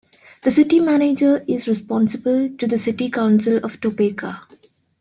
The City Manager is responsible to the City Council of Topeka.